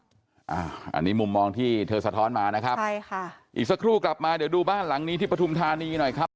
อันนี้มุมมองที่เธอสะท้อนมานะครับใช่ค่ะอีกสักครู่กลับมาเดี๋ยวดูบ้านหลังนี้ที่ปฐุมธานีหน่อยครับ